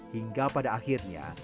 hingga pada akhirnya